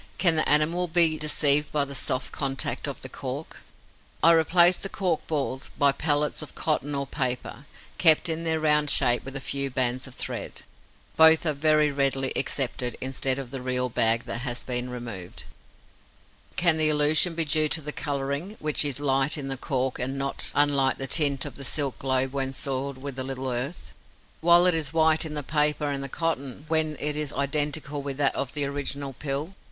Can the animal be deceived by the soft contact of the cork? I replace the cork balls by pellets of cotton or paper, kept in their round shape with a few bands of thread. Both are very readily accepted instead of the real bag that has been removed. Can the illusion be due to the colouring, which is light in the cork and not unlike the tint of the silk globe when soiled with a little earth, while it is white in the paper and the cotton, when it is identical with that of the original pill?